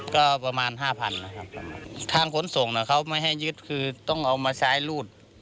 ก็ประมาณห้าพันนะครับทางขนส่งเขาไม่ให้ยึดคือต้องเอามาใช้รูด